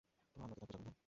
তো আমরা কি তার পূজা করি না?